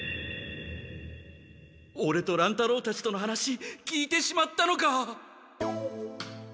オレと乱太郎たちとの話聞いてしまったのか。